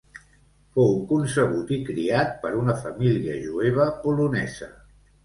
Fou concebut i criat per una família jueva polonesa.